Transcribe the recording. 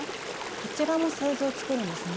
こちらも製図を作るんですね。